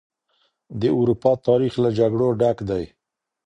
د اروپا تاريخ له جګړو ډک دی.